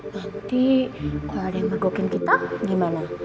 nanti kalo ada yang begokin kita gimana